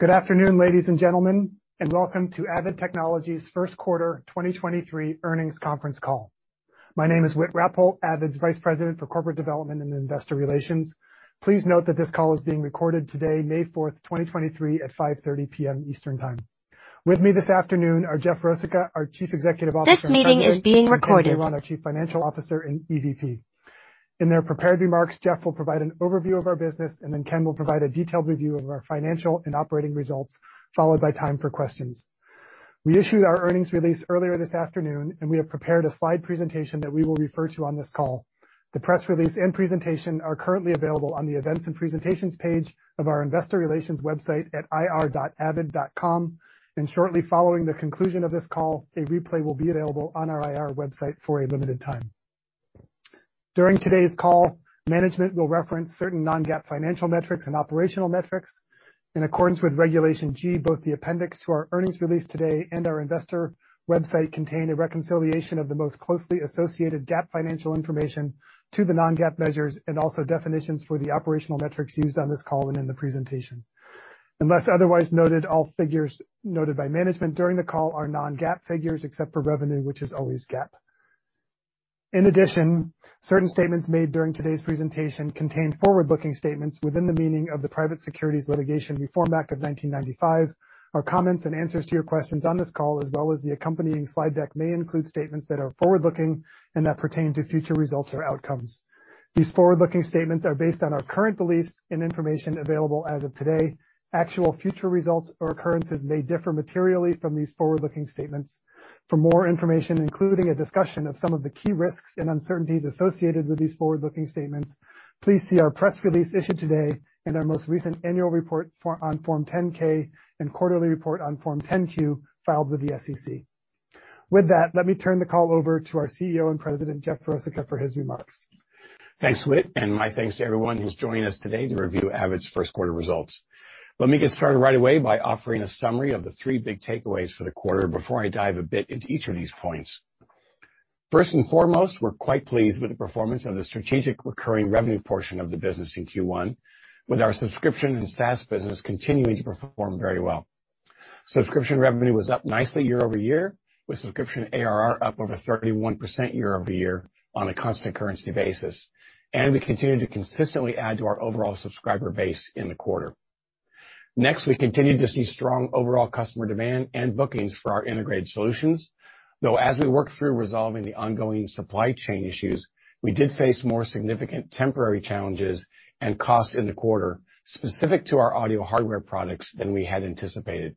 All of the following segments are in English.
Good afternoon, ladies and gentlemen, and welcome to Avid Technology's First Quarter 2023 Earnings Conference Call. My name is Whit Rappole, Avid's Vice President for Corporate Development and Investor Relations. Please note that this call is being recorded today, May 4th, 2023 at 5:30 P.M. Eastern Time. With me this afternoon are Jeff Rosica, our Chief Executive Officer and President- This meeting is being recorded. Ken Gayron, our Chief Financial Officer and EVP. In their prepared remarks, Jeff Rosica will provide an overview of our business, and then Ken Gayron will provide a detailed review of our financial and operating results, followed by time for questions. We issued our earnings release earlier this afternoon, and we have prepared a slide presentation that we will refer to on this call. The press release and presentation are currently available on the Events and Presentations page of our investor relations website at ir.avid.com. Shortly following the conclusion of this call, a replay will be available on our IR website for a limited time. During today's call, management will reference certain non-GAAP financial metrics and operational metrics. In accordance with Regulation G, both the appendix to our earnings release today and our investor website contain a reconciliation of the most closely associated GAAP financial information to the non-GAAP measures, and also definitions for the operational metrics used on this call and in the presentation. Unless otherwise noted, all figures noted by management during the call are non-GAAP figures, except for revenue, which is always GAAP. In addition, certain statements made during today's presentation contain forward-looking statements within the meaning of the Private Securities Litigation Reform Act of 1995, or comments and answers to your questions on this call, as well as the accompanying slide deck, may include statements that are forward-looking and that pertain to future results or outcomes. These forward-looking statements are based on our current beliefs and information available as of today. Actual future results or occurrences may differ materially from these forward-looking statements. For more information, including a discussion of some of the key risks and uncertainties associated with these forward-looking statements, please see our press release issued today and our most recent annual report on Form 10-K and quarterly report on Form 10-Q filed with the SEC. That, let me turn the call over to our CEO and President, Jeff Rosica, for his remarks. Thanks, Whit. My thanks to everyone who's joining us today to review Avid's first quarter results. Let me get started right away by offering a summary of the three big takeaways for the quarter before I dive a bit into each of these points. First and foremost, we're quite pleased with the performance of the strategic recurring revenue portion of the business in Q1, with our subscription and SaaS business continuing to perform very well. Subscription revenue was up nicely year-over-year, with subscription ARR up over 31% year-over-year on a constant currency basis, and we continued to consistently add to our overall subscriber base in the quarter. We continued to see strong overall customer demand and bookings for our integrated solutions, though as we worked through resolving the ongoing supply chain issues, we did face more significant temporary challenges and costs in the quarter specific to our audio hardware products than we had anticipated.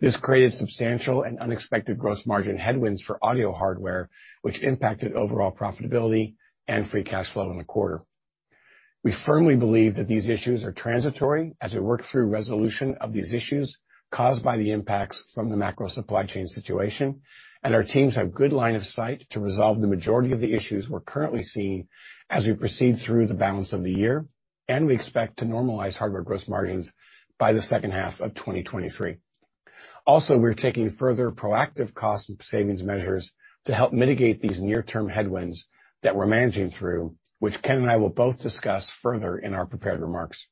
This created substantial and unexpected gross margin headwinds for audio hardware, which impacted overall profitability and free cash flow in the quarter. We firmly believe that these issues are transitory as we work through resolution of these issues caused by the impacts from the macro supply chain situation, and our teams have good line of sight to resolve the majority of the issues we're currently seeing as we proceed through the balance of the year, and we expect to normalize hardware gross margins by the second half of 2023. We're taking further proactive cost savings measures to help mitigate these near-term headwinds that we're managing through, which Ken and I will both discuss further in our prepared remarks.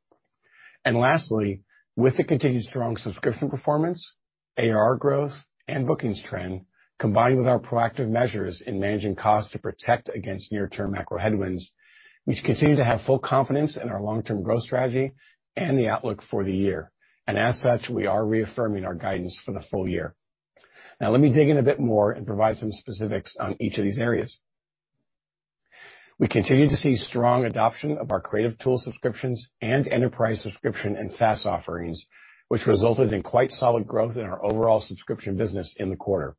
Lastly, with the continued strong subscription performance, ARR growth, and bookings trend, combined with our proactive measures in managing costs to protect against near-term macro headwinds, we continue to have full confidence in our long-term growth strategy and the outlook for the year. As such, we are reaffirming our guidance for the full year. Now, let me dig in a bit more and provide some specifics on each of these areas. We continue to see strong adoption of our creative tool subscriptions and enterprise subscription and SaaS offerings, which resulted in quite solid growth in our overall subscription business in the quarter.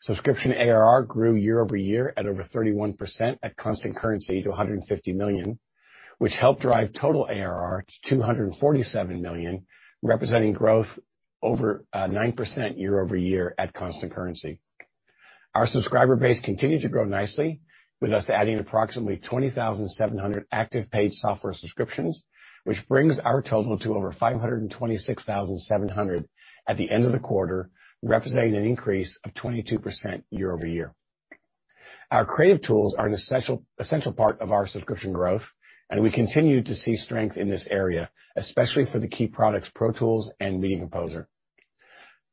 Subscription ARR grew year-over-year at over 31% at constant currency to $150 million, which helped drive total ARR to $247 million, representing growth over 9% year-over-year at constant currency. Our subscriber base continued to grow nicely, with us adding approximately 20,700 active paid software subscriptions, which brings our total to over 526,700 at the end of the quarter, representing an increase of 22% year-over-year. Our creative tools are an essential part of our subscription growth, and we continue to see strength in this area, especially for the key products, Pro Tools and Media Composer.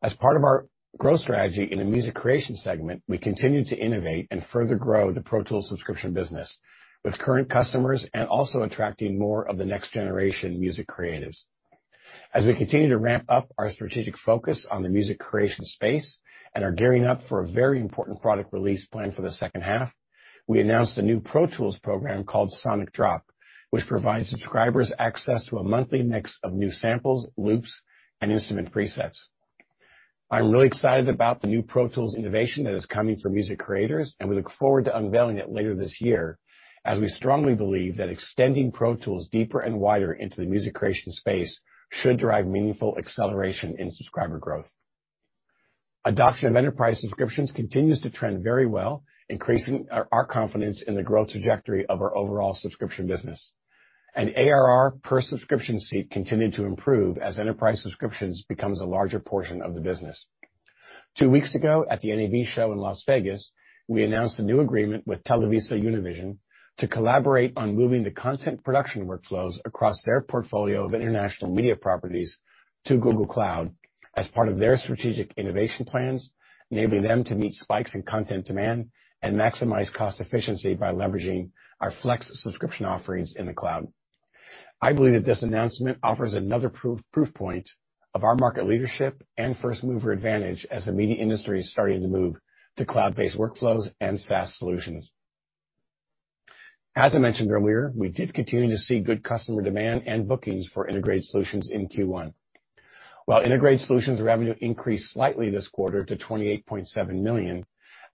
As part of our growth strategy in the music creation segment, we continue to innovate and further grow the Pro Tools subscription business with current customers and also attracting more of the next-generation music creatives. As we continue to ramp up our strategic focus on the music creation space and are gearing up for a very important product release planned for the second half, we announced a new Pro Tools program called Sonic Drop, which provides subscribers access to a monthly mix of new samples, loops, and instrument presets. I'm really excited about the new Pro Tools innovation that is coming for music creators, and we look forward to unveiling it later this year, as we strongly believe that extending Pro Tools deeper and wider into the music creation space should drive meaningful acceleration in subscriber growth. Adoption of enterprise subscriptions continues to trend very well, increasing our confidence in the growth trajectory of our overall subscription business. ARR per subscription seat continued to improve as enterprise subscriptions becomes a larger portion of the business. Two weeks ago, at the NAB Show in Las Vegas, we announced a new agreement with TelevisaUnivision to collaborate on moving the content production workflows across their portfolio of international media properties to Google Cloud as part of their strategic innovation plans, enabling them to meet spikes in content demand and maximize cost efficiency by leveraging our Flex Subscription offerings in the cloud. I believe that this announcement offers another proof point of our market leadership and first-mover advantage as the media industry is starting to move to cloud-based workflows and SaaS solutions. As I mentioned earlier, we did continue to see good customer demand and bookings for integrated solutions in Q1. While integrated solutions revenue increased slightly this quarter to $28.7 million,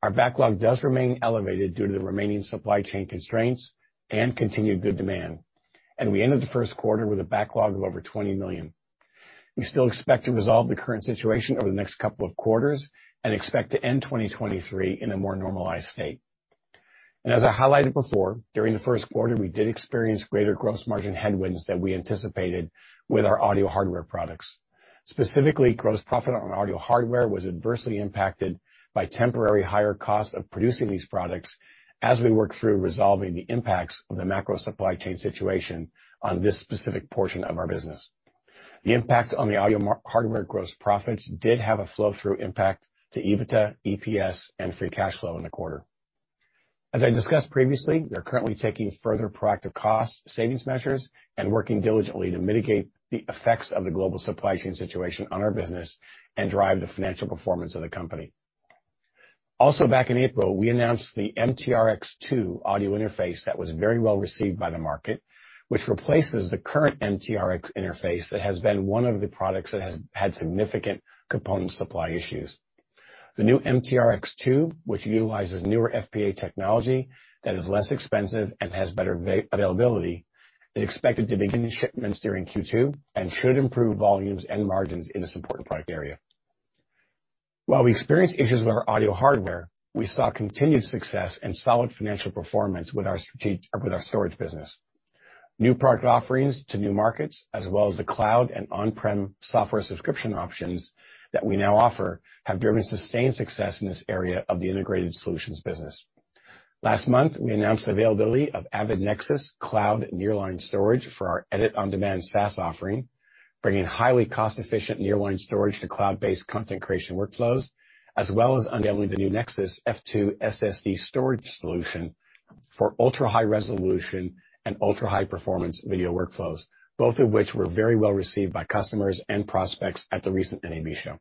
our backlog does remain elevated due to the remaining supply chain constraints and continued good demand. We ended the first quarter with a backlog of over $20 million. We still expect to resolve the current situation over the next couple of quarters and expect to end 2023 in a more normalized state. As I highlighted before, during the first quarter, we did experience greater gross margin headwinds than we anticipated with our audio hardware products. Specifically, gross profit on audio hardware was adversely impacted by temporary higher costs of producing these products as we work through resolving the impacts of the macro supply chain situation on this specific portion of our business. The impact on the audio hardware gross profits did have a flow-through impact to EBITDA, EPS, and free cash flow in the quarter. As I discussed previously, we are currently taking further proactive cost savings measures and working diligently to mitigate the effects of the global supply chain situation on our business and drive the financial performance of the company. Back in April, we announced the MTRX2 audio interface that was very well received by the market, which replaces the current MTRX interface that has been one of the products that has had significant component supply issues. The new MTRX2, which utilizes newer FPGA technology that is less expensive and has better availability, is expected to begin shipments during Q2 and should improve volumes and margins in this important product area. While we experienced issues with our audio hardware, we saw continued success and solid financial performance with our storage business. New product offerings to new markets, as well as the cloud and on-prem software subscription options that we now offer, have driven sustained success in this area of the integrated solutions business. Last month, we announced availability of Avid NEXIS | Cloud Nearline Storage for our Edit On Demand SaaS offering, bringing highly cost-efficient nearline storage to cloud-based content creation workflows, as well as unveiling the new NEXIS | F2 SSD storage solution for ultra-high resolution and ultra-high performance video workflows, both of which were very well received by customers and prospects at the recent NAB Show.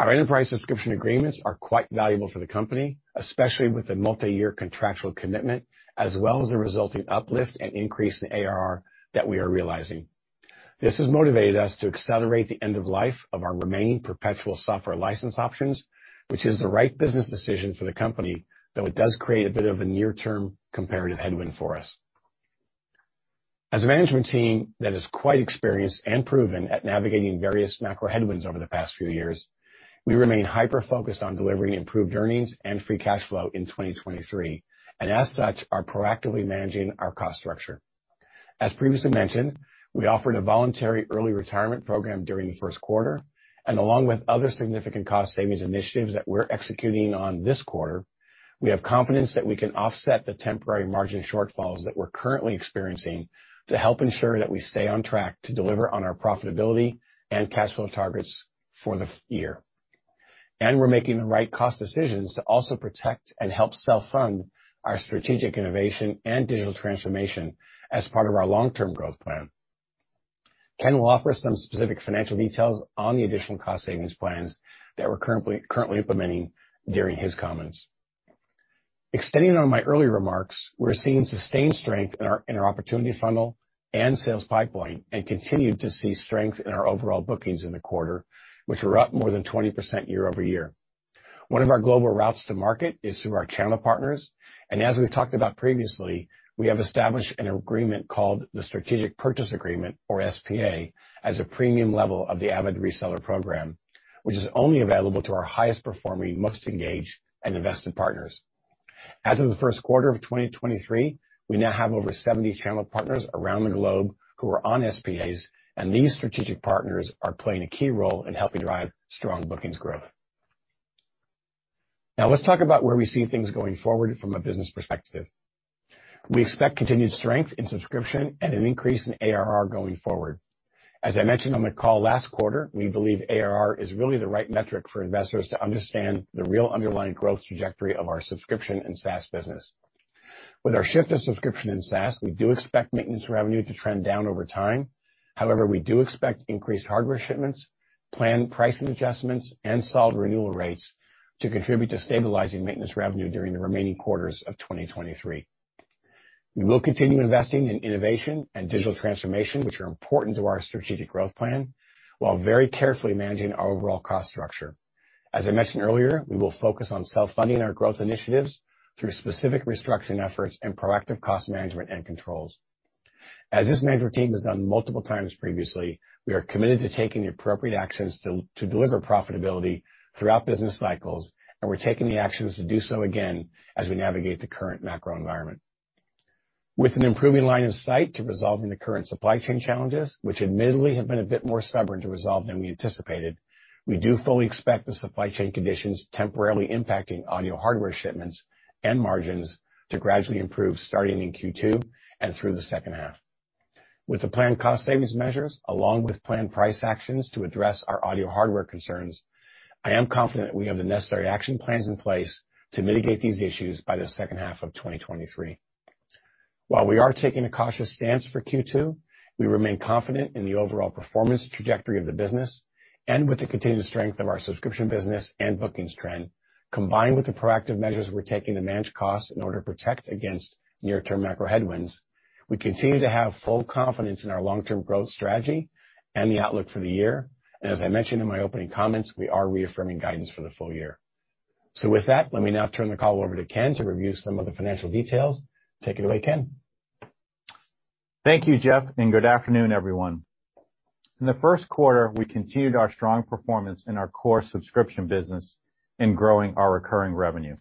Our enterprise subscription agreements are quite valuable for the company, especially with the multiyear contractual commitment, as well as the resulting uplift and increase in ARR that we are realizing. This has motivated us to accelerate the end of life of our remaining perpetual software license options, which is the right business decision for the company, though it does create a bit of a near-term comparative headwind for us. As a management team that is quite experienced and proven at navigating various macro headwinds over the past few years, we remain hyper-focused on delivering improved earnings and free cash flow in 2023, and as such, are proactively managing our cost structure. As previously mentioned, we offered a voluntary early retirement program during the first quarter, and along with other significant cost savings initiatives that we're executing on this quarter. We have confidence that we can offset the temporary margin shortfalls that we're currently experiencing to help ensure that we stay on track to deliver on our profitability and cash flow targets for the year. We're making the right cost decisions to also protect and help self-fund our strategic innovation and digital transformation as part of our long-term growth plan. Ken will offer some specific financial details on the additional cost savings plans that we're currently implementing during his comments. Extending on my earlier remarks, we're seeing sustained strength in our opportunity funnel and sales pipeline and continue to see strength in our overall bookings in the quarter, which are up more than 20% year-over-year. One of our global routes to market is through our channel partners, and as we've talked about previously, we have established an agreement called the Strategic Purchase Agreement, or SPA, as a premium level of the Avid Reseller Program, which is only available to our highest performing, most engaged, and invested partners. As of the first quarter of 2023, we now have over 70 channel partners around the globe who are on SPAs. These strategic partners are playing a key role in helping drive strong bookings growth. Let's talk about where we see things going forward from a business perspective. We expect continued strength in subscription and an increase in ARR going forward. As I mentioned on the call last quarter, we believe ARR is really the right metric for investors to understand the real underlying growth trajectory of our subscription and SaaS business. With our shift to subscription in SaaS, we do expect maintenance revenue to trend down over time. We do expect increased hardware shipments, planned pricing adjustments, and solid renewal rates to contribute to stabilizing maintenance revenue during the remaining quarters of 2023. We will continue investing in innovation and digital transformation, which are important to our strategic growth plan, while very carefully managing our overall cost structure. As I mentioned earlier, we will focus on self-funding our growth initiatives through specific restructuring efforts and proactive cost management and controls. As this management team has done multiple times previously, we are committed to taking the appropriate actions to deliver profitability throughout business cycles. We're taking the actions to do so again as we navigate the current macro environment. With an improving line of sight to resolving the current supply chain challenges, which admittedly have been a bit more stubborn to resolve than we anticipated, we do fully expect the supply chain conditions temporarily impacting audio hardware shipments and margins to gradually improve starting in Q2 and through the second half. With the planned cost savings measures, along with planned price actions to address our audio hardware concerns, I am confident we have the necessary action plans in place to mitigate these issues by the second half of 2023. While we are taking a cautious stance for Q2, we remain confident in the overall performance trajectory of the business and with the continued strength of our subscription business and bookings trend. Combined with the proactive measures we're taking to manage costs in order to protect against near-term macro headwinds, we continue to have full confidence in our long-term growth strategy and the outlook for the year. As I mentioned in my opening comments, we are reaffirming guidance for the full year. With that, let me now turn the call over to Ken to review some of the financial details. Take it away, Ken. Thank you, Jeff. Good afternoon, everyone. In the first quarter, we continued our strong performance in our core subscription business in growing our recurring revenue.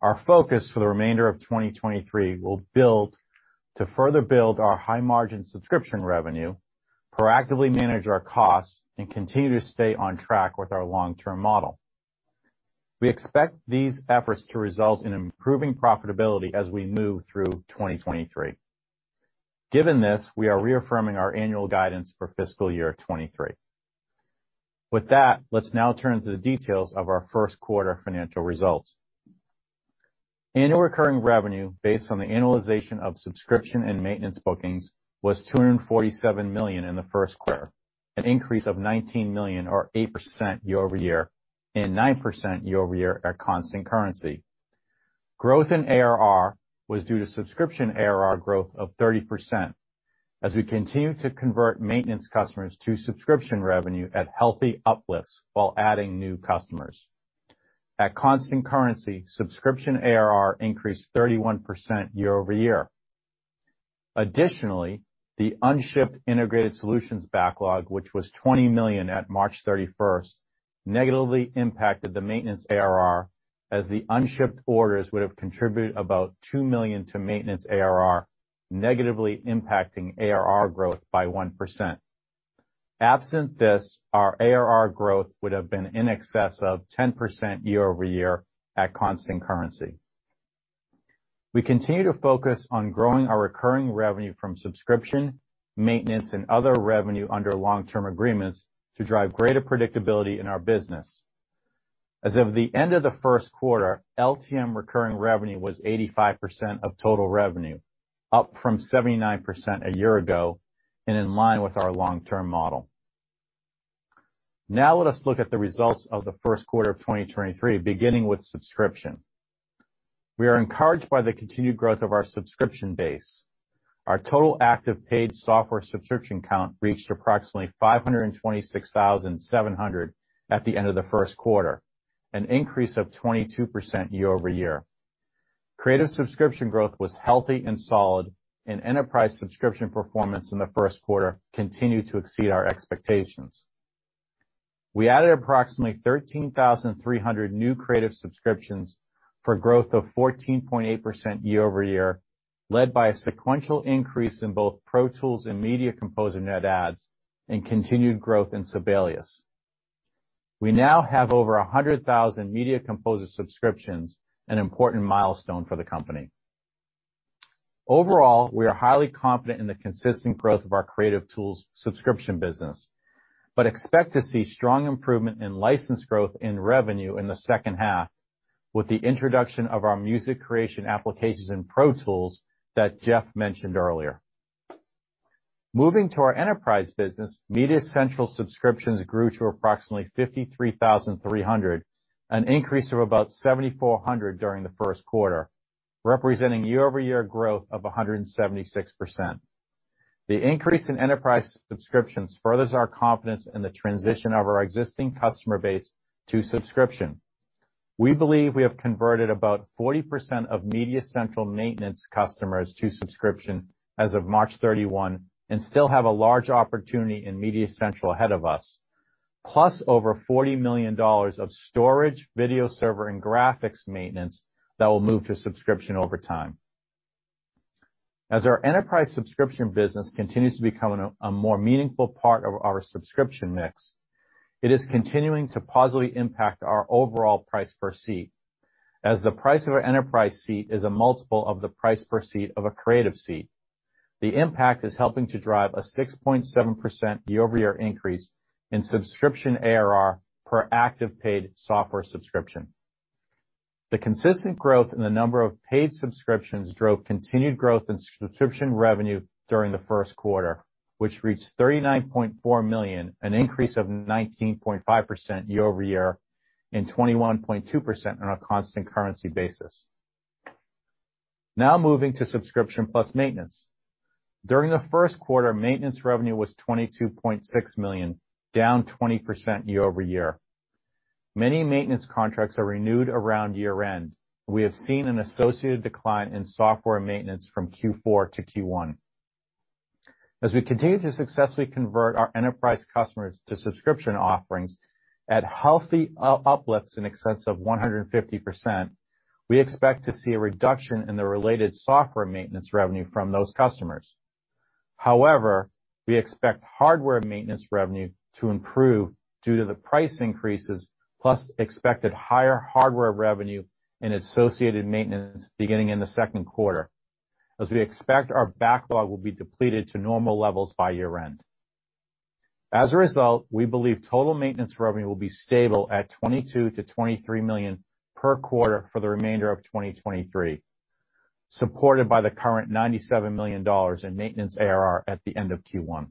Our focus for the remainder of 2023 to further build our high-margin subscription revenue, proactively manage our costs, and continue to stay on track with our long-term model. We expect these efforts to result in improving profitability as we move through 2023. Given this, we are reaffirming our annual guidance for fiscal year 2023. With that, let's now turn to the details of our first quarter financial results. Annual recurring revenue based on the annualization of subscription and maintenance bookings was $247 million in the first quarter, an increase of $19 million or 8% year-over-year, and 9% year-over-year at constant currency. Growth in ARR was due to subscription ARR growth of 30% as we continue to convert maintenance customers to subscription revenue at healthy uplifts while adding new customers. At constant currency, subscription ARR increased 31% year-over-year. Additionally, the unshipped integrated solutions backlog, which was $20 million at March 31st, negatively impacted the maintenance ARR as the unshipped orders would have contributed about $2 million to maintenance ARR, negatively impacting ARR growth by 1%. Absent this, our ARR growth would have been in excess of 10% year-over-year at constant currency. We continue to focus on growing our recurring revenue from subscription, maintenance, and other revenue under long-term agreements to drive greater predictability in our business. As of the end of the first quarter, LTM recurring revenue was 85% of total revenue, up from 79% a year ago and in line with our long-term model. Let us look at the results of the first quarter of 2023, beginning with subscription. We are encouraged by the continued growth of our subscription base. Our total active paid software subscription count reached approximately 526,700 at the end of the first quarter, an increase of 22% year-over-year. Creative subscription growth was healthy and solid, enterprise subscription performance in the first quarter continued to exceed our expectations. We added approximately 13,300 new creative subscriptions for growth of 14.8% year-over-year, led by a sequential increase in both Pro Tools and Media Composer net adds and continued growth in Sibelius. We now have over 100,000 Media Composer subscriptions, an important milestone for the company. Overall, we are highly confident in the consistent growth of our creative tools subscription business. Expect to see strong improvement in licensed growth in revenue in the second half with the introduction of our music creation applications in Pro Tools that Jeff mentioned earlier. Moving to our enterprise business, MediaCentral subscriptions grew to approximately 53,300, an increase of about 7,400 during the first quarter, representing year-over-year growth of 176%. The increase in enterprise subscriptions furthers our confidence in the transition of our existing customer base to subscription. We believe we have converted about 40% of MediaCentral maintenance customers to subscription as of March 31 and still have a large opportunity in MediaCentral ahead of us, plus over $40 million of storage, video server, and graphics maintenance that will move to subscription over time. As our enterprise subscription business continues to become a more meaningful part of our subscription mix, it is continuing to positively impact our overall price per seat. As the price of our enterprise seat is a multiple of the price per seat of a creative seat, the impact is helping to drive a 6.7% year-over-year increase in subscription ARR per active paid software subscription. The consistent growth in the number of paid subscriptions drove continued growth in subscription revenue during the first quarter, which reached $39.4 million, an increase of 19.5% year-over-year and 21.2% on a constant currency basis. Now moving to subscription plus maintenance. During the first quarter, maintenance revenue was $22.6 million, down 20% year-over-year. Many maintenance contracts are renewed around year-end. We have seen an associated decline in software maintenance from Q4 to Q1. As we continue to successfully convert our enterprise customers to subscription offerings at healthy uplifts in excess of 150%, we expect to see a reduction in the related software maintenance revenue from those customers. We expect hardware maintenance revenue to improve due to the price increases, plus expected higher hardware revenue and associated maintenance beginning in the second quarter, as we expect our backlog will be depleted to normal levels by year-end. We believe total maintenance revenue will be stable at $22 million-$23 million per quarter for the remainder of 2023, supported by the current $97 million in maintenance ARR at the end of Q1.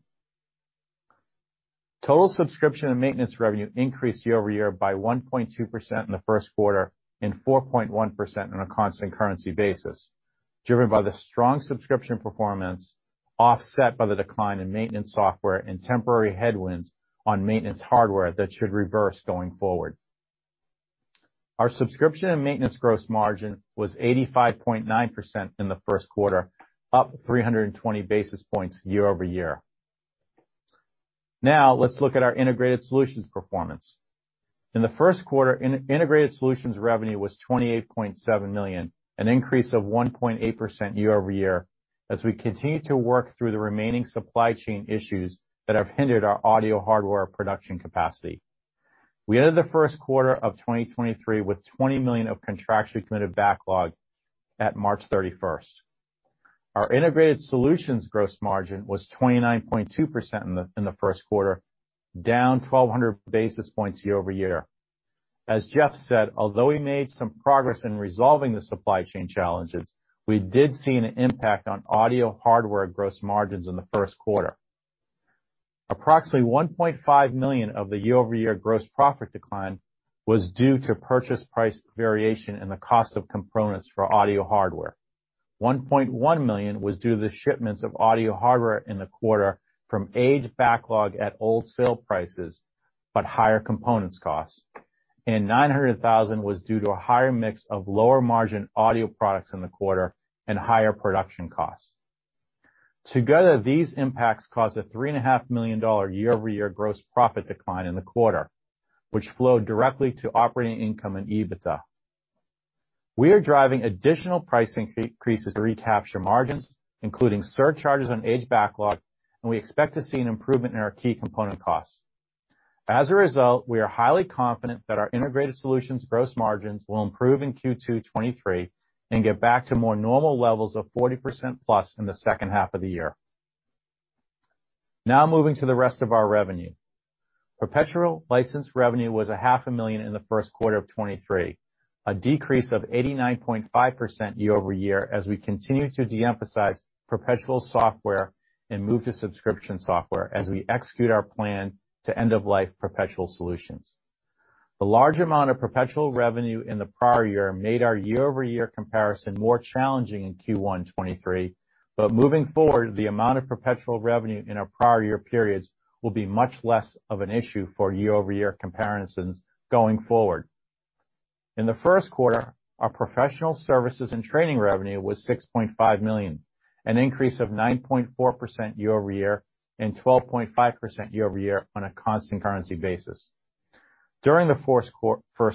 Total subscription and maintenance revenue increased year-over-year by 1.2% in the first quarter, and 4.1% on a constant currency basis, driven by the strong subscription performance, offset by the decline in maintenance software and temporary headwinds on maintenance hardware that should reverse going forward. Our subscription and maintenance gross margin was 85.9% in the first quarter, up 320 basis points year-over-year. Let's look at our integrated solutions performance. In the first quarter, integrated solutions revenue was $28.7 million, an increase of 1.8% year-over-year, as we continue to work through the remaining supply chain issues that have hindered our audio hardware production capacity. We ended the first quarter of 2023 with $20 million of contractually committed backlog at March 31st. Our integrated solutions gross margin was 29.2% in the first quarter, down 1,200 basis points year-over-year. As Jeff said, although we made some progress in resolving the supply chain challenges, we did see an impact on audio hardware gross margins in the first quarter. Approximately $1.5 million of the year-over-year gross profit decline was due to purchase price variation and the cost of components for audio hardware. $1.1 million was due to the shipments of audio hardware in the quarter from aged backlog at old sale prices, higher components costs. $900,000 was due to a higher mix of lower margin audio products in the quarter and higher production costs. Together, these impacts caused a $3.5 million year-over-year gross profit decline in the quarter, which flowed directly to operating income and EBITDA. We are driving additional pricing increases to recapture margins, including surcharges on aged backlog, we expect to see an improvement in our key component costs. As a result, we are highly confident that our integrated solutions gross margins will improve in Q2 2023 and get back to more normal levels of 40%+ in the second half of the year. Moving to the rest of our revenue. Perpetual license revenue was a half a million in the first quarter of 2023, a decrease of 89.5% year-over-year as we continue to de-emphasize perpetual software and move to subscription software as we execute our plan to end of life perpetual solutions. The large amount of perpetual revenue in the prior year made our year-over-year comparison more challenging in Q1 2023. Moving forward, the amount of perpetual revenue in our prior year periods will be much less of an issue for year-over-year comparisons going forward. In the first quarter, our professional services and training revenue was $6.5 million, an increase of 9.4% year-over-year, and 12.5% year-over-year on a constant currency basis. During the first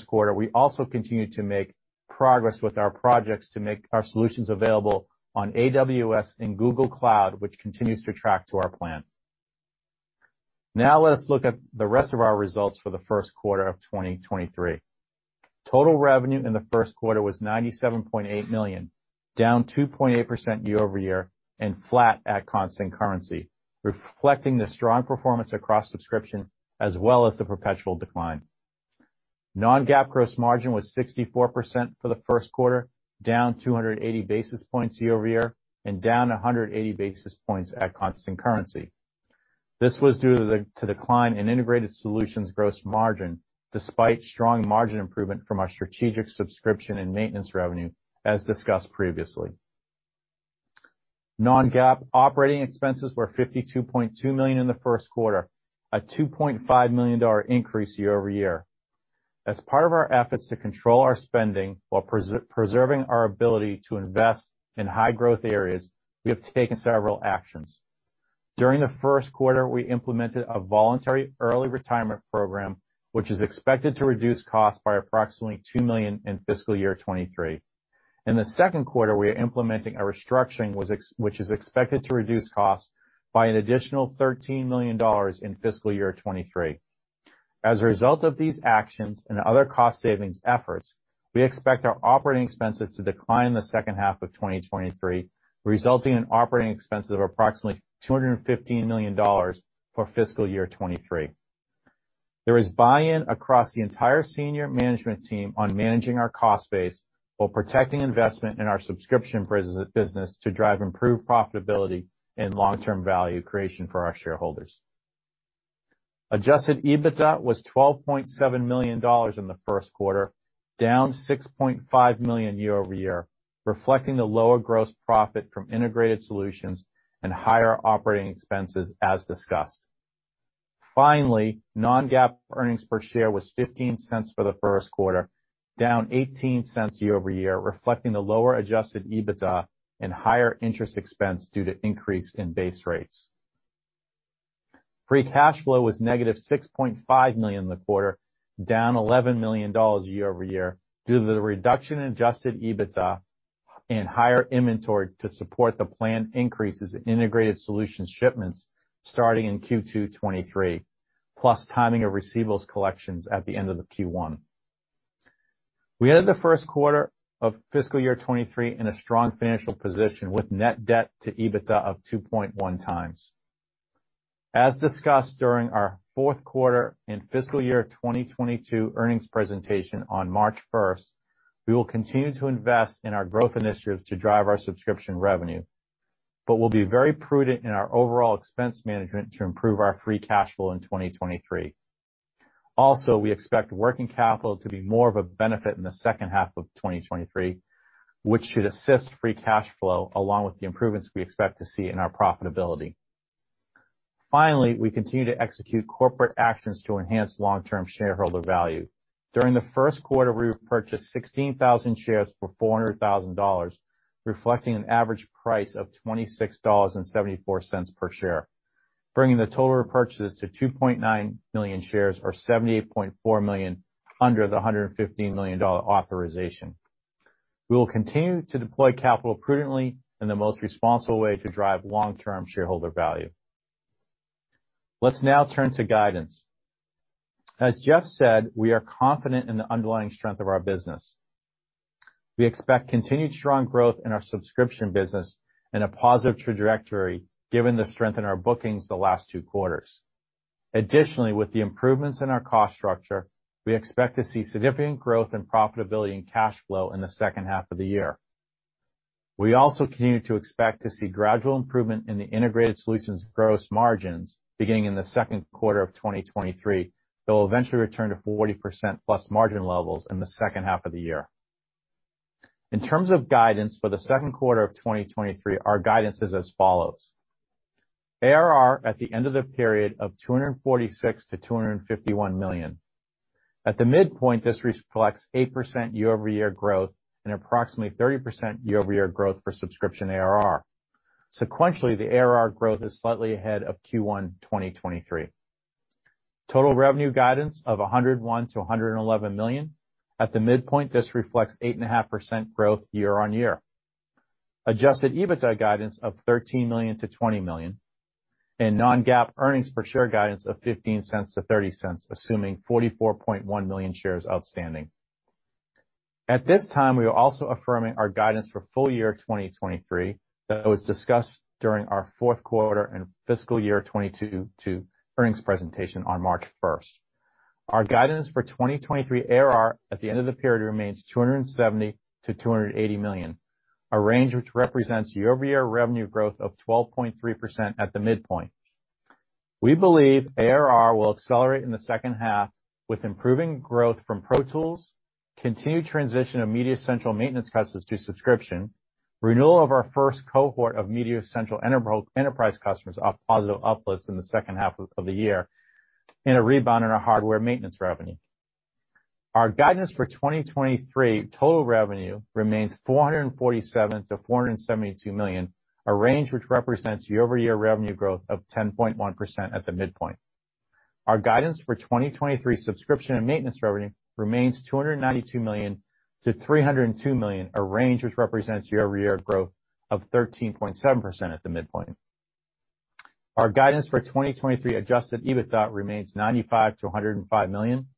quarter, we also continued to make progress with our projects to make our solutions available on AWS and Google Cloud, which continues to track to our plan. Let's look at the rest of our results for the first quarter of 2023. Total revenue in the first quarter was $97.8 million, down 2.8% year-over-year and flat at constant currency, reflecting the strong performance across subscription as well as the perpetual decline. Non-GAAP gross margin was 64% for the first quarter, down 280 basis points year-over-year, and down 180 basis points at constant currency. This was due to the decline in integrated solutions gross margin, despite strong margin improvement from our strategic subscription and maintenance revenue as discussed previously. Non-GAAP operating expenses were $52.2 million in the first quarter, a $2.5 million increase year-over-year. As part of our efforts to control our spending while preserving our ability to invest in high growth areas, we have taken several actions. During the first quarter, we implemented a voluntary early retirement program, which is expected to reduce costs by approximately $2 million in fiscal year 2023. In the second quarter, we are implementing a restructuring which is expected to reduce costs by an additional $13 million in fiscal year 2023. As a result of these actions and other cost savings efforts, we expect our operating expenses to decline in the second half of 2023, resulting in operating expenses of approximately $215 million for fiscal year 2023. There is buy-in across the entire senior management team on managing our cost base while protecting investment in our subscription business to drive improved profitability and long-term value creation for our shareholders. Adjusted EBITDA was $12.7 million in the first quarter. Down $6.5 million year-over-year, reflecting the lower gross profit from integrated solutions and higher operating expenses as discussed. Non-GAAP earnings per share was $0.15 for the first quarter, down $0.18 year-over-year, reflecting the lower Adjusted EBITDA and higher interest expense due to increase in base rates. Free cash flow was -$6.5 million in the quarter, down $11 million year-over-year due to the reduction in Adjusted EBITDA and higher inventory to support the planned increases in integrated solutions shipments starting in Q2 2023, plus timing of receivables collections at the end of the Q1. We ended the first quarter of fiscal year 2023 in a strong financial position with net debt to EBITDA of 2.1x. As discussed during our fourth quarter and fiscal year 2022 earnings presentation on March 1st, we will continue to invest in our growth initiatives to drive our subscription revenue, but we'll be very prudent in our overall expense management to improve our free cash flow in 2023. Also, we expect working capital to be more of a benefit in the second half of 2023, which should assist free cash flow along with the improvements we expect to see in our profitability. Finally, we continue to execute corporate actions to enhance long-term shareholder value. During the first quarter, we repurchased 16,000 shares for $400,000, reflecting an average price of $26.74 per share, bringing the total repurchases to 2.9 million shares or $78.4 million under the $115 million authorization. We will continue to deploy capital prudently in the most responsible way to drive long-term shareholder value. Let's now turn to guidance. As Jeff said, we are confident in the underlying strength of our business. We expect continued strong growth in our subscription business and a positive trajectory given the strength in our bookings the last two quarters. Additionally, with the improvements in our cost structure, we expect to see significant growth in profitability and cash flow in the second half of the year. We also continue to expect to see gradual improvement in the integrated solutions gross margins beginning in the second quarter of 2023. They'll eventually return to 40%+ margin levels in the second half of the year. In terms of guidance for the second quarter of 2023, our guidance is as follows: ARR at the end of the period of $246 million-$251 million. At the midpoint, this reflects 8% year-over-year growth and approximately 30% year-over-year growth for subscription ARR. Sequentially, the ARR growth is slightly ahead of Q1 2023. Total revenue guidance of $101 million-$111 million. At the midpoint, this reflects 8.5% growth year-on-year. Adjusted EBITDA guidance of $13 million-$20 million, and non-GAAP earnings per share guidance of $0.15-$0.30, assuming 44.1 million shares outstanding. At this time, we are also affirming our guidance for full year 2023 that was discussed during our fourth quarter and fiscal year 2022 earnings presentation on March 1st. Our guidance for 2023 ARR at the end of the period remains $270 million-$280 million, a range which represents year-over-year revenue growth of 12.3% at the midpoint. We believe ARR will accelerate in the second half with improving growth from Pro Tools, continued transition of MediaCentral maintenance customers to subscription, renewal of our first cohort of MediaCentral Enterprise customers are positive uplifts in the second half of the year, and a rebound in our hardware maintenance revenue. Our guidance for 2023 total revenue remains $447 million-$472 million, a range which represents year-over-year revenue growth of 10.1% at the midpoint. Our guidance for 2023 subscription and maintenance revenue remains $292 million-$302 million, a range which represents year-over-year growth of 13.7% at the midpoint. Our guidance for 2023 Adjusted EBITDA remains $95 million-$105 million.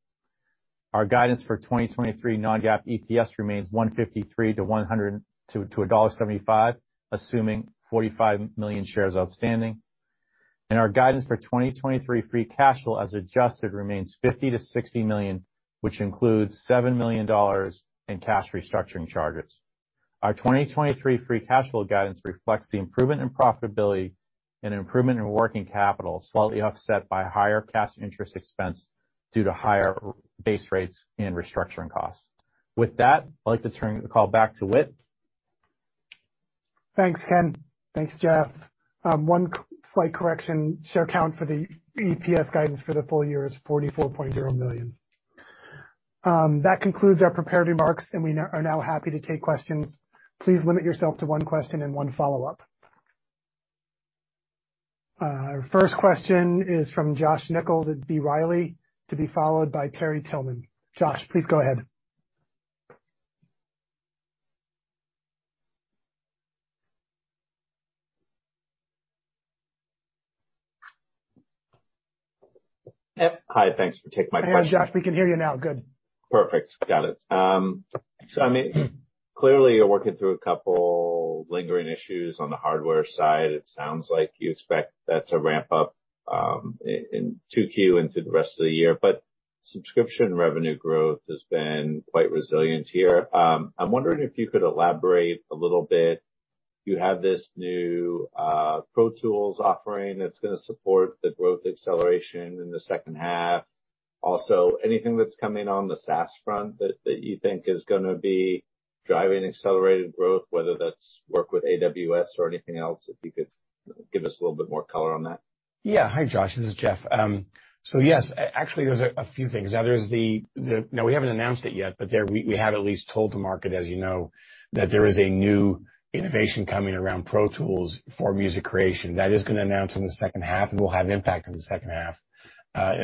Our guidance for 2023 non-GAAP EPS remains $1.53-$1.75, assuming 45 million shares outstanding. Our guidance for 2023 free cash flow as adjusted remains $50 million-$60 million, which includes $7 million in cash restructuring charges. Our 2023 free cash flow guidance reflects the improvement in profitability and improvement in working capital, slightly offset by higher cash interest expense due to higher base rates and restructuring costs. With that, I'd like to turn the call back to Whit. Thanks, Ken. Thanks, Jeff. One slight correction. Share count for the EPS guidance for the full year is 44.0 million. That concludes our prepared remarks, and we are now happy to take questions. Please limit yourself to one question and one follow-up. Our first question is from Josh Nichols at B. Riley to be followed by Terry Tillman. Josh, please go ahead. Yep. Hi, thanks for taking my question. Hey, Josh, we can hear you now. Good. Perfect. Got it. I mean, clearly you're working through a couple lingering issues on the hardware side. It sounds like you expect that to ramp up in 2Q into the rest of the year. Subscription revenue growth has been quite resilient here. I'm wondering if you could elaborate a little bit You have this new Pro Tools offering that's gonna support the growth acceleration in the second half. Also, anything that's coming on the SaaS front that you think is gonna be driving accelerated growth, whether that's work with AWS or anything else, if you could give us a little bit more color on that? Hi, Josh. This is Jeff. yes, actually, there's a few things. we haven't announced it yet, there we have at least told the market, as you know, that there is a new innovation coming around Pro Tools for music creation. That is gonna announce in the second half and will have impact in the second half,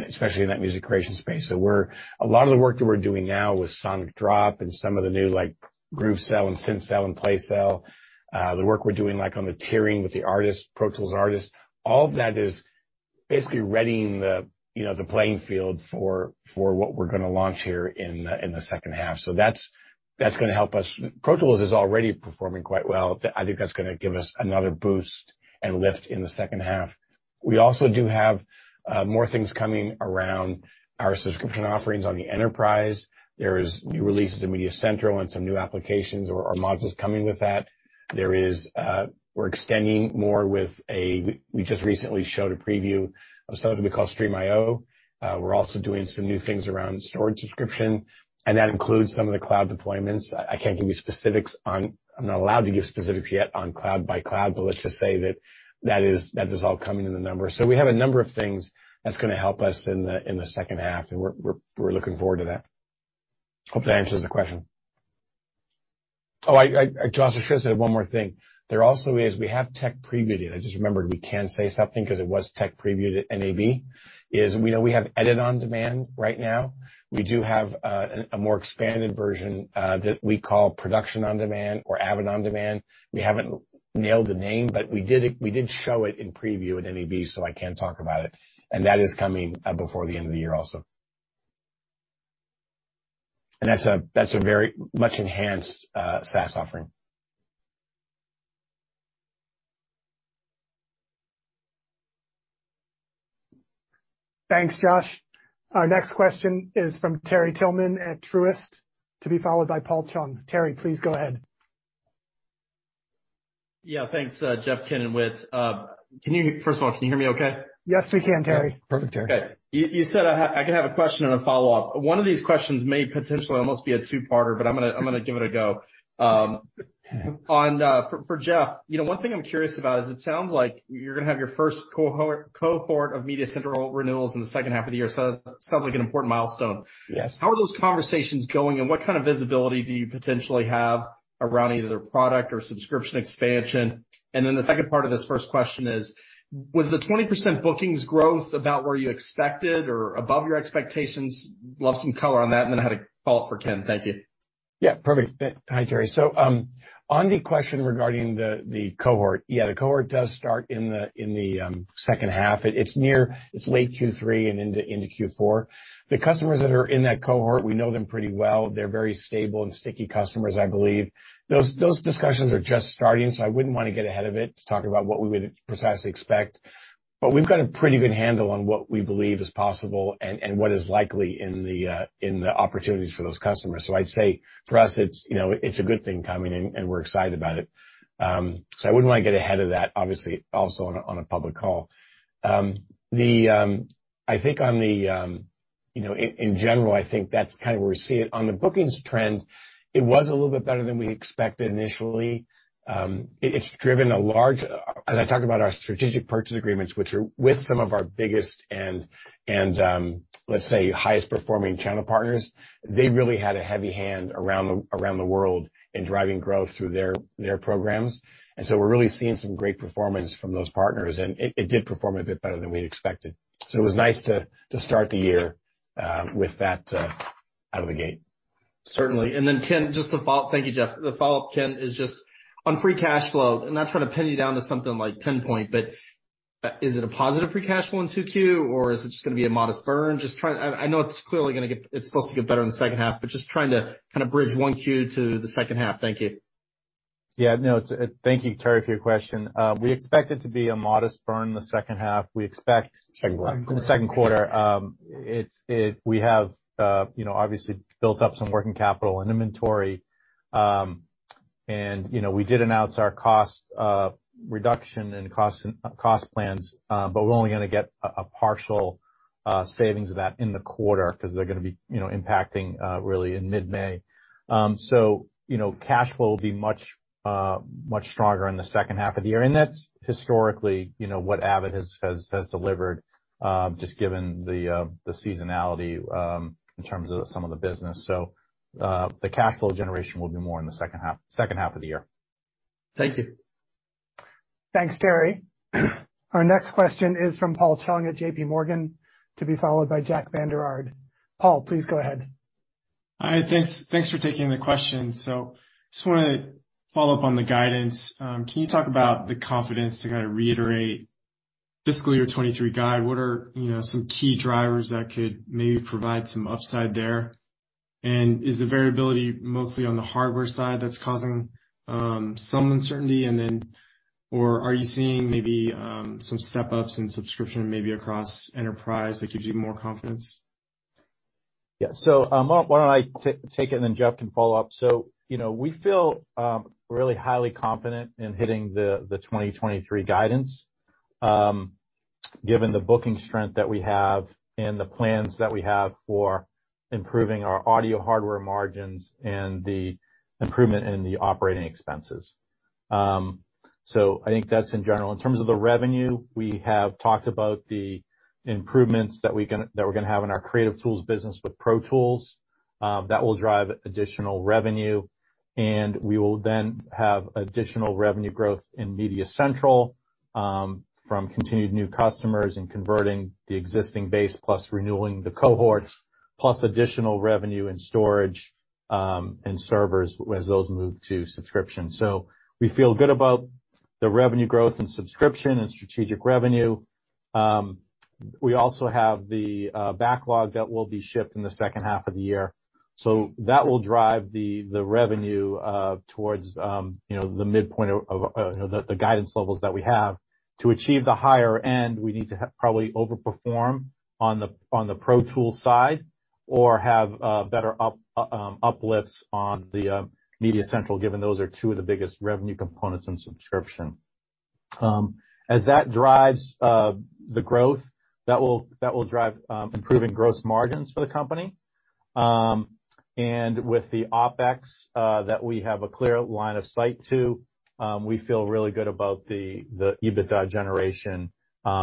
especially in that music creation space. A lot of the work that we're doing now with Sonic Drop and some of the new, like, GrooveCell and SynthCell and PlayCell, the work we're doing, like, on the tiering with the artists, Pro Tools artists, all of that is basically readying the, you know, the playing field for what we're gonna launch here in the second half. That's gonna help us. Pro Tools is already performing quite well. I think that's gonna give us another boost and lift in the second half. We also do have more things coming around our subscription offerings on the enterprise. There's new releases in MediaCentral and some new applications or modules coming with that. There is, we just recently showed a preview of something we call Stream IO. We're also doing some new things around storage subscription, and that includes some of the cloud deployments. I can't give you specifics on. I'm not allowed to give specifics yet on cloud by cloud, but let's just say that is all coming in the numbers. We have a number of things that's gonna help us in the second half, and we're looking forward to that. Hope that answers the question. Oh, I, Josh, I should've said one more thing. There also is, we have tech previewed, and I just remembered we can say something 'cause it was tech previewed at NAB, is we know we have Edit On Demand right now. We do have a more expanded version that we call Production On Demand or Avid On Demand. We haven't nailed the name, but we did show it in preview at NAB, so I can talk about it, and that is coming before the end of the year also. That's a very much enhanced SaaS offering. Thanks, Josh. Our next question is from Terry Tillman at Truist, to be followed by Paul Chung. Terry, please go ahead. Yeah. Thanks. Jeff. First of all, can you hear me okay? Yes, we can, Terry. Perfect, Terry. Okay. You said I could have a question and a follow-up. One of these questions may potentially almost be a two-parter, but I'm gonna give it a go. on, for Jeff, you know, one thing I'm curious about is it sounds like you're gonna have your first cohort of MediaCentral renewals in the second half of the year, so that sounds like an important milestone. Yes. How are those conversations going, and what kind of visibility do you potentially have around either product or subscription expansion? The second part of this first question is, was the 20% bookings growth about where you expected or above your expectations? Love some color on that. I had a follow-up for Ken. Thank you. Yeah. Perfect. Hi, Terry. On the question regarding the cohort. Yeah, the cohort does start in the second half. It's late Q3 and into Q4. The customers that are in that cohort, we know them pretty well. They're very stable and sticky customers, I believe. Those discussions are just starting, so I wouldn't wanna get ahead of it to talk about what we would precisely expect. We've got a pretty good handle on what we believe is possible and what is likely in the opportunities for those customers. I'd say for us it's, you know, it's a good thing coming and we're excited about it. I wouldn't wanna get ahead of that, obviously, also on a public call. I think on the, you know, in general, I think that's kind of where we see it. On the bookings trend, it was a little bit better than we expected initially. As I talk about our Strategic Purchase Agreements, which are with some of our biggest and, let's say highest performing channel partners, they really had a heavy hand around the world in driving growth through their programs. We're really seeing some great performance from those partners, and it did perform a bit better than we'd expected. It was nice to start the year with that out of the gate. Certainly. Ken, just to follow up. Thank you, Jeff. The follow-up, Ken, is just on free cash flow. I'm not trying to pin you down to something like ten point, is it a positive free cash flow in 2Q, or is it just gonna be a modest burn? I know it's clearly supposed to get better in the second half, just trying to kinda bridge 1Q to the second half. Thank you. Yeah. No. Thank you, Terry, for your question. We expect it to be a modest burn in the second half. Second quarter. In the second quarter. We have, you know, obviously built up some working capital and inventory. You know, we did announce our cost reduction and cost plans, but we're only gonna get a partial savings of that in the quarter 'cause they're gonna be, you know, impacting really in mid-May. You know, cash flow will be much stronger in the second half of the year, and that's historically, you know, what Avid has delivered just given the seasonality in terms of some of the business. The cash flow generation will be more in the second half of the year. Thank you. Thanks, Terry. Our next question is from Paul Chung at J.P. Morgan, to be followed by Jakub Janda. Paul, please go ahead. Hi. Thanks for taking the question. Just want to follow up on the guidance. Can you talk about the confidence to kind of reiterate fiscal year 2023 guide? What are, you know, some key drivers that could maybe provide some upside there? Is the variability mostly on the hardware side that's causing some uncertainty? Are you seeing maybe some step-ups in subscription maybe across enterprise that gives you more confidence? Why don't I take it, and then Jeff can follow up. You know, we feel really highly confident in hitting the 2023 guidance given the booking strength that we have and the plans that we have for improving our audio hardware margins and the improvement in the operating expenses. I think that's in general. In terms of the revenue, we have talked about the improvements that we're gonna have in our creative tools business with Pro Tools that will drive additional revenue. We will then have additional revenue growth in MediaCentral from continued new customers and converting the existing base plus renewing the cohorts, plus additional revenue and storage and servers as those move to subscription. We feel good about the revenue growth and subscription and strategic revenue. We also have the backlog that will be shipped in the second half of the year. That will drive the revenue towards, you know, the midpoint of the guidance levels that we have. To achieve the higher end, we need to probably overperform on the Pro Tools side or have better uplifts on the MediaCentral, given those are two of the biggest revenue components in subscription. As that drives the growth, that will drive improving gross margins for the company. With the OpEx that we have a clear line of sight to, we feel really good about the EBITDA generation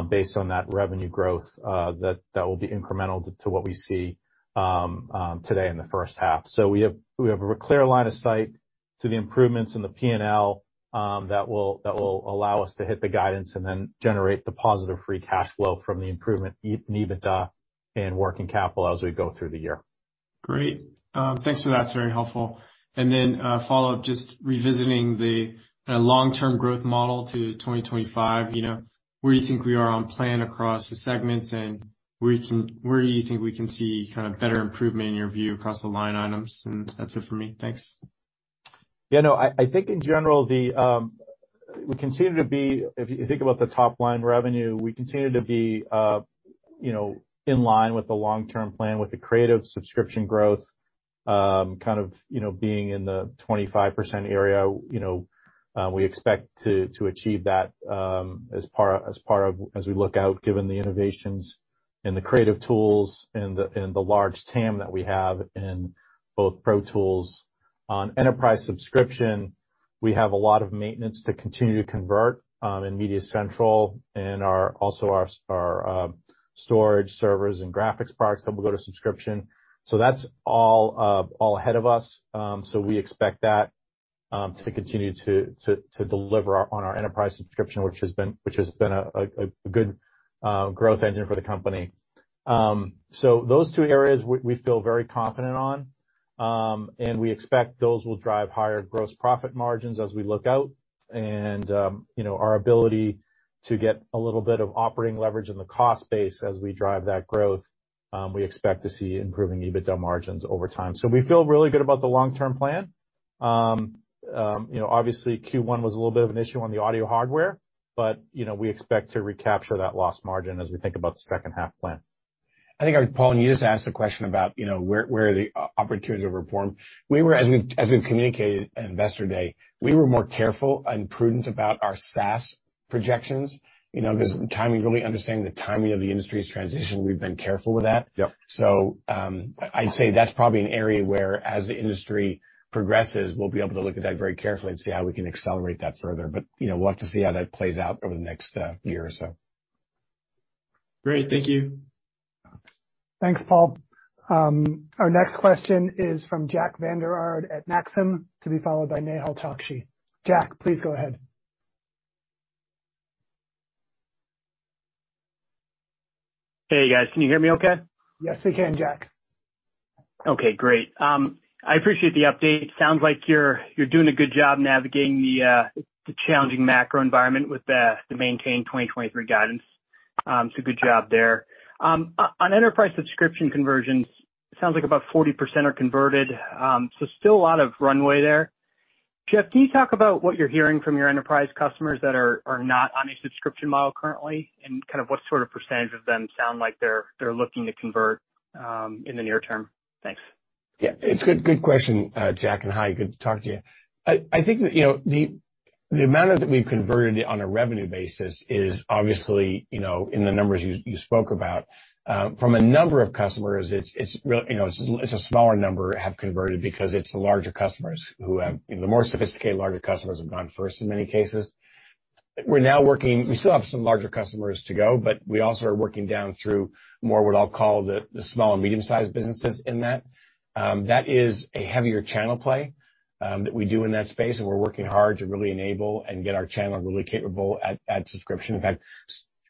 based on that revenue growth that will be incremental to what we see today in the first half. We have a clear line of sight to the improvements in the P&L that will allow us to hit the guidance and then generate the positive free cash flow from the improvement in EBITDA and working capital as we go through the year. Great. Thanks for that. It's very helpful. A follow-up, just revisiting the long-term growth model to 2025, you know, where do you think we are on plan across the segments, and where do you think we can see kind of better improvement in your view across the line items? That's it for me. Thanks. Yeah, no. I think in general, if you think about the top-line revenue, we continue to be, you know, in line with the long-term plan with the creative subscription growth, kind of, you know, being in the 25% area. You know, we expect to achieve that as part of as we look out, given the innovations in the creative tools and the large TAM that we have in both Pro Tools. On enterprise subscription, we have a lot of maintenance to continue to convert in MediaCentral and also our storage servers and graphics products that will go to subscription. That's all ahead of us. We expect that to continue to deliver on our enterprise subscription, which has been a good growth engine for the company. Those two areas we feel very confident on, and we expect those will drive higher gross profit margins as we look out. You know, our ability to get a little bit of operating leverage in the cost base as we drive that growth, we expect to see improving EBITDA margins over time. We feel really good about the long-term plan. You know, obviously Q1 was a little bit of an issue on the audio hardware, but, you know, we expect to recapture that lost margin as we think about the second half plan. I think, Paul, you just asked the question about, you know, where are the opportunities of reform. As we've communicated at Investor Day, we were more careful and prudent about our SaaS projections, you know, 'cause timing, really understanding the timing of the industry's transition. We've been careful with that. Yep. I'd say that's probably an area where as the industry progresses, we'll be able to look at that very carefully and see how we can accelerate that further. You know, we'll have to see how that plays out over the next year or so. Great. Thank you. Thanks, Paul. Our next question is from Jakub Janda at Maxim, to be followed by Nehal Chokshi. Jakub, please go ahead. Hey, guys. Can you hear me okay? Yes, we can, Jakub. Okay, great. I appreciate the update. Sounds like you're doing a good job navigating the challenging macro environment with the maintained 2023 guidance. Good job there. On enterprise subscription conversions, it sounds like about 40% are converted, still a lot of runway there. Jeff, can you talk about what you're hearing from your enterprise customers that are not on a subscription model currently and kind of what sort of percentage of them sound like they're looking to convert in the near term? Thanks. Yeah, it's good question, Jakub. Hi, good to talk to you. I think that, you know, the amount that we've converted on a revenue basis is obviously, you know, in the numbers you spoke about. From a number of customers, it's, you know, a smaller number have converted because the more sophisticated larger customers have gone first in many cases. We still have some larger customers to go, but we also are working down through more what I'll call the small and medium-sized businesses in that. That is a heavier channel play that we do in that space, and we're working hard to really enable and get our channel really capable at subscription. In fact,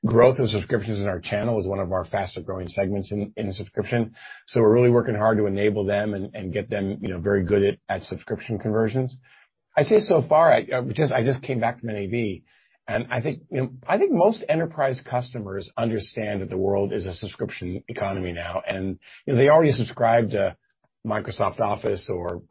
growth of subscriptions in our channel is one of our faster-growing segments in the subscription. We're really working hard to enable them and get them, you know, very good at subscription conversions. I'd say so far, I, because I just came back from an NAB, I think, you know, I think most enterprise customers understand that the world is a subscription economy now, and, you know, they already subscribe to Microsoft Office or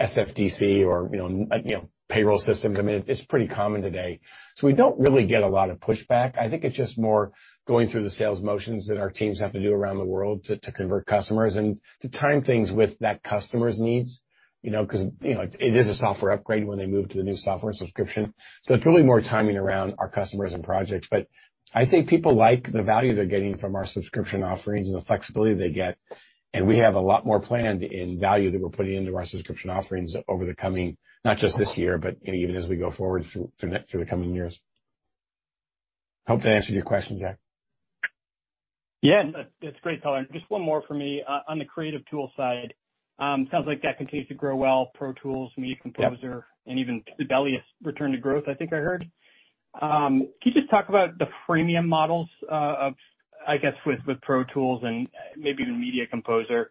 Salesforce or, you know, payroll systems. I mean, it's pretty common today, we don't really get a lot of pushback. I think it's just more going through the sales motions that our teams have to do around the world to convert customers and to time things with that customer's needs, you know, 'cause, you know, it is a software upgrade when they move to the new software subscription. It's really more timing around our customers and projects. I say people like the value they're getting from our subscription offerings and the flexibility they get, and we have a lot more planned in value that we're putting into our subscription offerings over the coming, not just this year, but, you know, even as we go forward through the coming years. Hope that answered your question, Jakub. Yeah. That's great color. Just one more for me. On the creative tool side, sounds like that continues to grow well, Pro Tools, Media Composer- Yeah. Even Sibelius return to growth, I think I heard. Can you just talk about the freemium models of, I guess, with Pro Tools and maybe even Media Composer?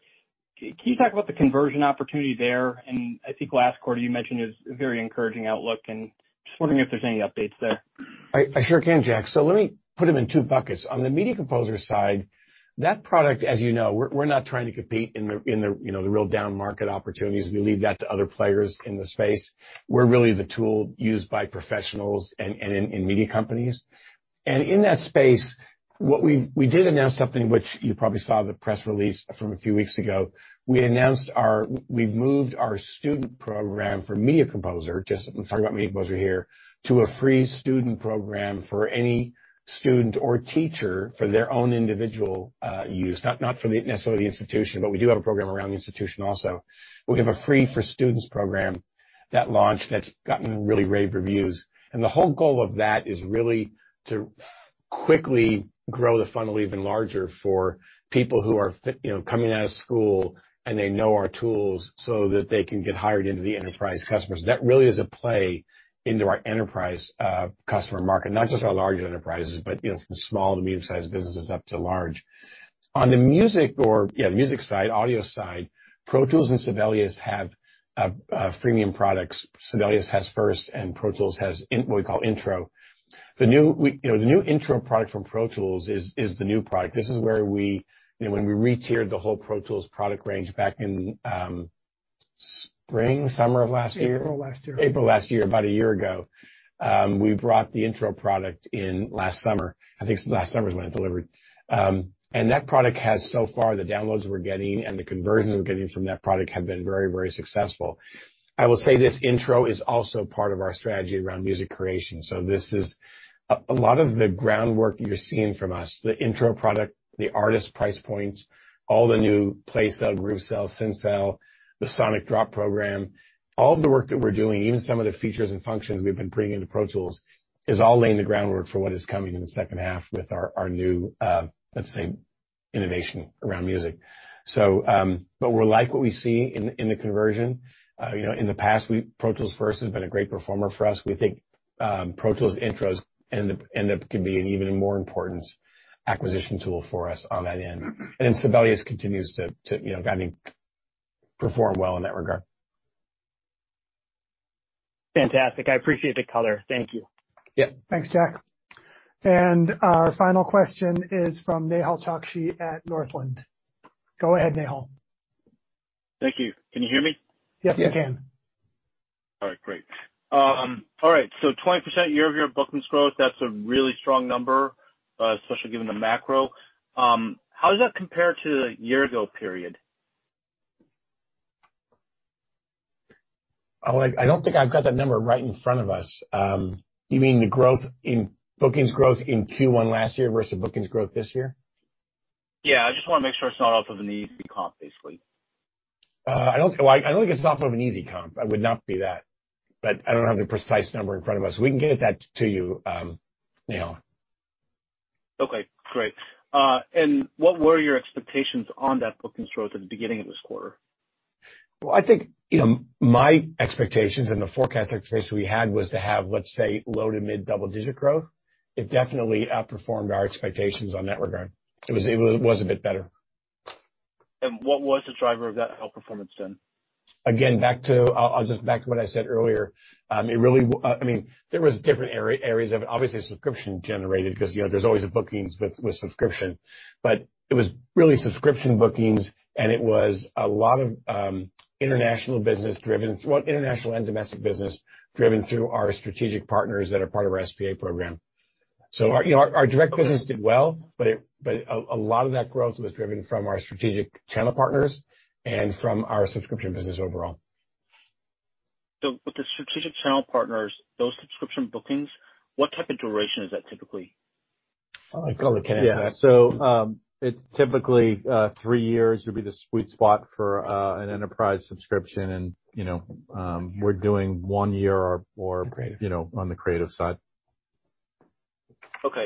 Can you talk about the conversion opportunity there? I think last quarter you mentioned it was a very encouraging outlook, and just wondering if there's any updates there. I sure can, Jakub. Let me put them in two buckets. On the Media Composer side, that product, as you know, we're not trying to compete in the, you know, the real down market opportunities. We leave that to other players in the space. We're really the tool used by professionals and in media companies. In that space, what we did announce something which you probably saw the press release from a few weeks ago. We announced we've moved our student program for Media Composer, just talking about Media Composer here, to a free student program for any student or teacher for their own individual use, not for the necessarily the institution, but we do have a program around the institution also. We have a free for students program that launched that's gotten really rave reviews. The whole goal of that is really to quickly grow the funnel even larger for people who are you know, coming out of school, and they know our tools, so that they can get hired into the enterprise customers. That really is a play into our enterprise customer market, not just our large enterprises, but you know, from small to medium-sized businesses up to large. On the music or, yeah, music side, audio side, Pro Tools and Sibelius have freemium products. Sibelius has First and Pro Tools has what we call Intro. The new Intro product from Pro Tools is the new product. This is where we, you know, when we re-tiered the whole Pro Tools product range back in spring, summer of last year. April last year. April last year, about a year ago. We brought the Intro product in last summer. I think last summer is when it delivered. That product has so far the downloads we're getting and the conversions we're getting from that product have been very, very successful. I will say this Intro is also part of our strategy around music creation. This is a lot of the groundwork you're seeing from us, the Intro product, the artist price points, all the new PlayCell, GrooveCell, SynthCell, the Sonic Drop program, all of the work that we're doing, even some of the features and functions we've been bringing into Pro Tools is all laying the groundwork for what is coming in the second half with our new, let's say, innovation around music. We like what we see in the conversion. you know, in the past, Pro Tools First has been a great performer for us. We think, Pro Tools Intro's end up can be an even more important acquisition tool for us on that end. Then Sibelius continues to, you know, I mean, perform well in that regard. Fantastic. I appreciate the color. Thank you. Yeah. Thanks, Jakub. Our final question is from Nehal Chokshi at Northland. Go ahead, Nehal. Thank you. Can you hear me? Yes, we can. Yeah. All right, great. All right. 20% year-over-year bookings growth, that's a really strong number, especially given the macro. How does that compare to the year ago period? I don't think I've got that number right in front of us. You mean the growth in bookings growth in Q1 last year versus bookings growth this year? Yeah. I just wanna make sure it's not off of an easy comp, basically. Well, I don't think it's off of an easy comp. I would not be that, but I don't have the precise number in front of us. We can get that to you, Nehal. Okay, great. What were your expectations on that bookings growth at the beginning of this quarter? Well, I think, you know, my expectations and the forecast expectations we had was to have, let's say, low to mid double-digit growth. It definitely outperformed our expectations on that regard. It was a bit better. What was the driver of that outperformance then? Again, back to, I'll just back to what I said earlier. It really I mean, there was different areas of it. Obviously, subscription generated 'cause, you know, there's always a bookings with subscription. It was really subscription bookings, and it was a lot of international business driven through well, international and domestic business driven through our strategic partners that are part of our SPA program. Our, you know, our direct business did well, but a lot of that growth was driven from our strategic channel partners and from our subscription business overall. With the strategic channel partners, those subscription bookings, what type of duration is that typically? I'll let Ken take that. Yeah. It's typically three years would be the sweet spot for an enterprise subscription and, you know, we're doing one year or more- Okay. You know, on the creative side. Okay.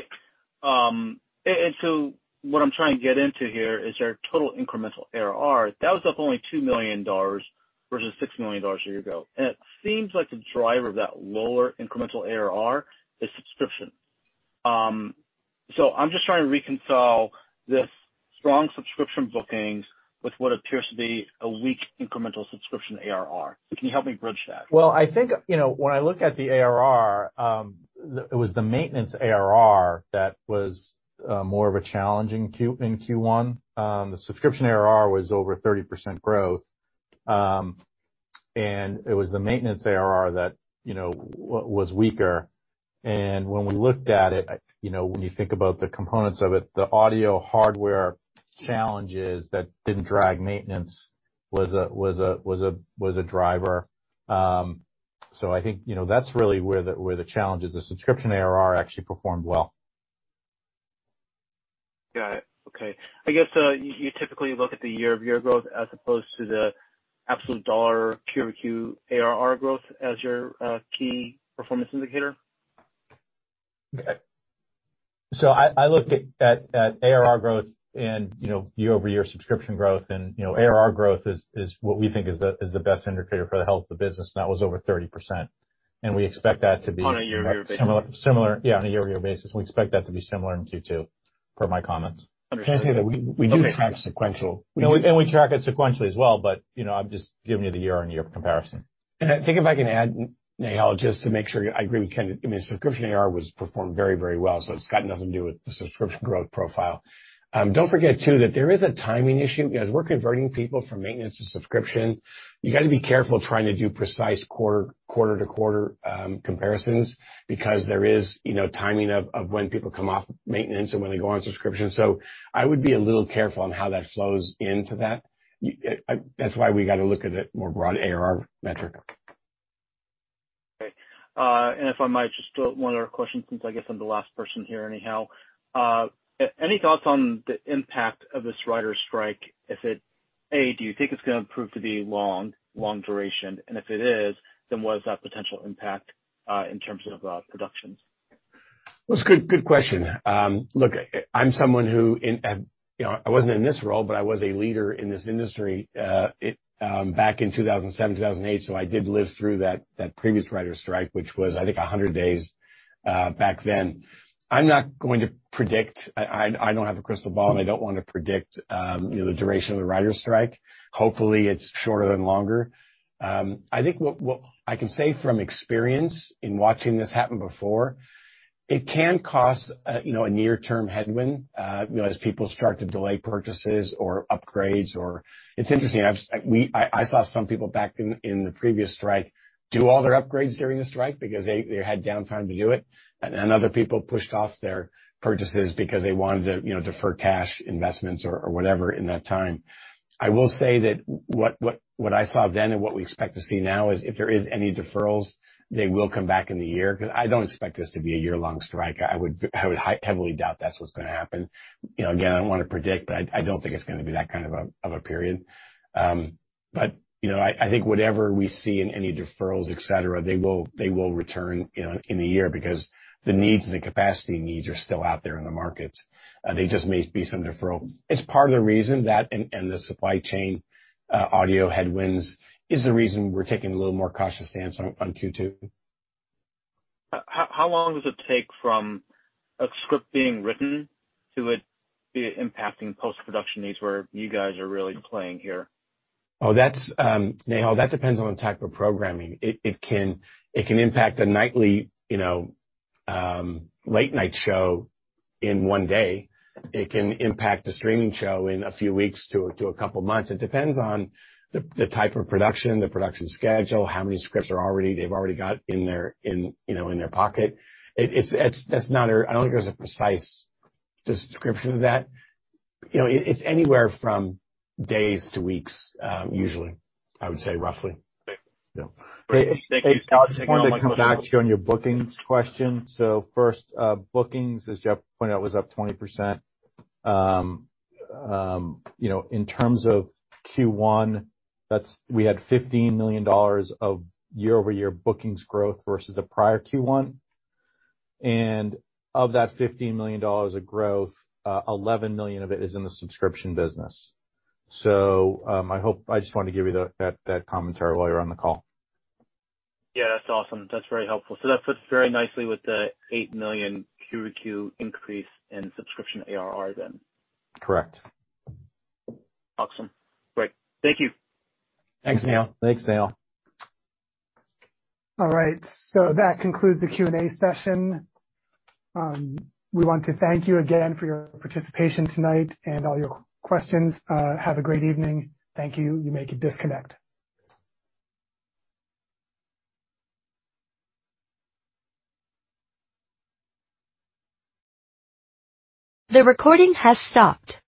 What I'm trying to get into here is your total incremental ARR. That was up only $2 million versus $6 million a year ago. It seems like the driver of that lower incremental ARR is subscription. I'm just trying to reconcile this strong subscription bookings with what appears to be a weak incremental subscription ARR. Can you help me bridge that? Well, I think, you know, when I look at the ARR, it was the maintenance ARR that was more of a challenge in Q1. The subscription ARR was over 30% growth. It was the maintenance ARR that, you know, was weaker. When we looked at it, you know, when you think about the components of it, the audio hardware challenges that didn't drag maintenance was a driver. I think, you know, that's really where the challenge is. The subscription ARR actually performed well. Got it. Okay. I guess, you typically look at the year-over-year growth as opposed to the absolute dollar Q over Q ARR growth as your key performance indicator? I look at ARR growth and, you know, year-over-year subscription growth and, you know, ARR growth is what we think is the best indicator for the health of the business, and that was over 30%. We expect that to be. On a year-over-year basis. Similar. Yeah, on a year-over-year basis. We expect that to be similar in Q2, per my comments. Understood. Can I say that we do track sequential. We track it sequentially as well, but, you know, I'm just giving you the year-on-year comparison. I think if I can add, Nehal, just to make sure I agree with Kenneth. I mean, subscription ARR was performed very, very well, so it's got nothing to do with the subscription growth profile. Don't forget too that there is a timing issue. As we're converting people from maintenance to subscription, you gotta be careful trying to do precise quarter-to-quarter, comparisons because there is, you know, timing of when people come off maintenance and when they go on subscription. I would be a little careful on how that flows into that. That's why we gotta look at it more broad ARR metric. Okay. If I might, just one other question since I guess I'm the last person here anyhow. Any thoughts on the impact of this writers strike if it... A, do you think it's gonna prove to be long duration? If it is, what is that potential impact, in terms of productions? Well, it's good question. Look, I'm someone who in, you know, I wasn't in this role, but I was a leader in this industry, it, back in 2007, 2008. I did live through that previous writers strike, which was, I think, 100 days back then. I'm not going to predict. I don't have a crystal ball, and I don't wanna predict, you know, the duration of the writers strike. Hopefully, it's shorter than longer. I think what I can say from experience in watching this happen before, it can cause, you know, a near-term headwind, you know, as people start to delay purchases or upgrades or. It's interesting. I saw some people back in the previous strike do all their upgrades during the strike because they had downtime to do it. Other people pushed off their purchases because they wanted to, you know, defer cash investments or whatever in that time. I will say that what I saw then and what we expect to see now is if there is any deferrals, they will come back in the year 'cause I don't expect this to be a year-long strike. I would heavily doubt that's what's gonna happen. You know, again, I don't wanna predict, but I don't think it's gonna be that kind of a, of a period. You know, I think whatever we see in any deferrals, et cetera, they will return in a year because the needs and the capacity needs are still out there in the market. There just may be some deferral. It's part of the reason that and the supply chain audio headwinds is the reason we're taking a little more cautious stance on Q2. How long does it take from a script being written to it impacting post-production needs where you guys are really playing here? That's, Nehal, that depends on the type of programming. It can impact a nightly, you know, late-night show in one day. It can impact a streaming show in a few weeks to a couple months. It depends on the type of production, the production schedule, how many scripts they've already got in their, you know, in their pocket. I don't think there's a precise description of that. You know, it's anywhere from days to weeks, usually, I would say roughly. Great. Thank you. Hey, Nehal, just wanted to come back to you on your bookings question. First, bookings, as Jeff pointed out, was up 20%. you know, in terms of Q1, we had $15 million of year-over-year bookings growth versus the prior Q1. Of that $15 million of growth, $11 million of it is in the subscription business. I hope... I just wanted to give you the, that commentary while you're on the call. Yeah, that's awesome. That's very helpful. That fits very nicely with the $8 million Q-over-Q increase in subscription ARR then. Correct. Awesome. Great. Thank you. Thanks, Nehal. Thanks, Nehal. All right, that concludes the Q&A session. We want to thank you again for your participation tonight and all your questions. Have a great evening. Thank you. You may disconnect. The recording has stopped.